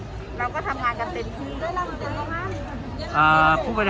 แต่มันไม่ใช่เราก็ทำงานกันเต็มที่